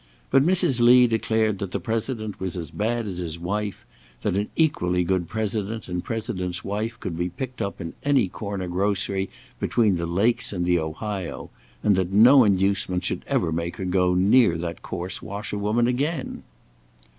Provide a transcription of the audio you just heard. But Mrs. Lee declared that the President was as bad as his wife; that an equally good President and President's wife could be picked up in any corner grocery between the Lakes and the Ohio; and that no inducement should ever make her go near that coarse washerwoman again.